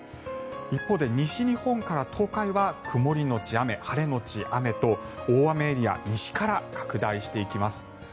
一方で、西日本から東海は曇りのち雨、晴れのち雨と大雨エリアが西から拡大していきます。